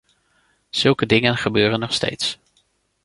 Zulke dingen gebeuren nog steeds.